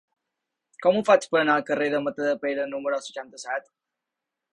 Com ho faig per anar al carrer de Matadepera número seixanta-set?